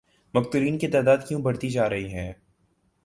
مقتولین کی تعداد کیوں بڑھتی جارہی ہے؟